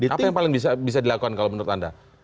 apa yang paling bisa dilakukan kalau menurut anda